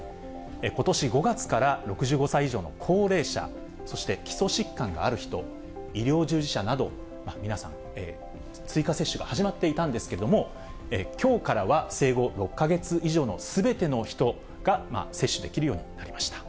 ことし５月から、６５歳以上の高齢者、そして基礎疾患がある人、医療従事者など、皆さん、追加接種が始まっていたんですけれども、きょうからは、生後６か月以上のすべての人が接種できるようになりました。